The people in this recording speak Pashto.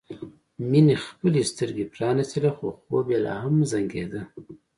مينې خپلې سترګې پرانيستلې خو خوب یې لا هم زنګېده